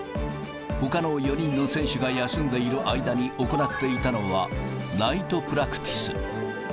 ほかの４人の選手が休んでいる間に行っていたのは、ナイトプラクティス。